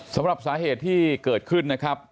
สำหรับสาเหตุที่เกิดขึ้นนะครับ